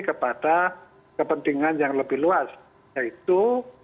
kepada kepentingan yang lebih luas yaitu